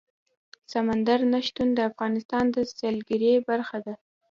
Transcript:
سمندر نه شتون د افغانستان د سیلګرۍ برخه ده.